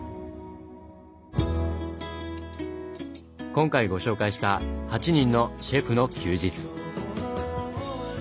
今回ご紹介した８人のシェフの休日。